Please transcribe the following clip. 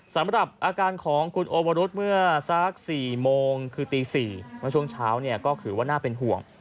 สำหรับอาการของคุณโอวรุธเมื่อสัก๔โมงคือตี๔เมื่อช่วงเช้าเนี่ยก็ถือว่าน่าเป็นห่วง